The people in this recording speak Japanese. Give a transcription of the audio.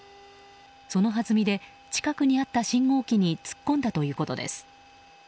そのはずみで近くにあった信号機に突っ込んだということです。